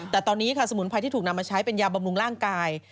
แต่ตอนนี้ค่ะสมุนไพรที่ถูกนำมาใช้เป็นยาบำรุงร่างกาย